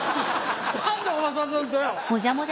何でおばさんなんだよ！